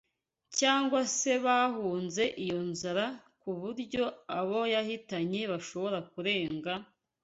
cyangwa se bahunze iyo nzara ku buryo abo yahitanye bashobora kurenga